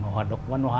hoạt động văn hóa